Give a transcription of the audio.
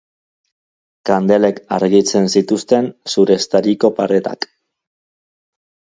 Kandelek argitzen zituzten zureztaturiko paretak.